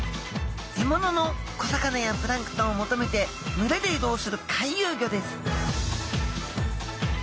獲物の小魚やプランクトンを求めて群れで移動する回遊魚です